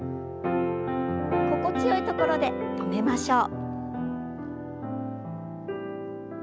心地よいところで止めましょう。